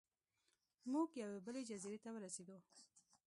موږ یوې بلې جزیرې ته ورسیدو.